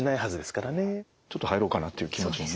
ちょっと入ろうかなっていう気持ちにね。